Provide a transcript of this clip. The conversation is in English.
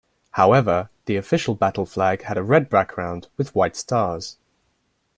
However, the official battle flag had a red background with white stars.